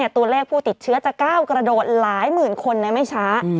ตัวเลขผู้ติดเชื้อจะก้าวกระโดดหลายหมื่นคนในไม่ช้า